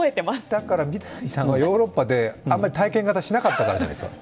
だから三谷さんはヨーロッパであんまり体験型しなかったからじゃないですか。